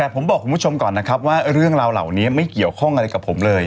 แต่ผมบอกคุณผู้ชมก่อนนะครับว่าเรื่องราวเหล่านี้ไม่เกี่ยวข้องอะไรกับผมเลย